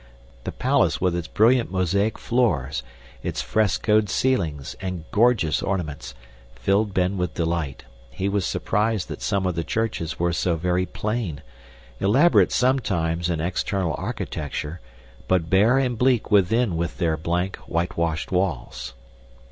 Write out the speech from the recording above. The palace with its brilliant mosaic floors, its frescoed ceilings, and gorgeous ornaments, filled Ben with delight; he was surprised that some of the churches were so very plain elaborate sometimes in external architecture but bare and bleak within with their blank, whitewashed walls.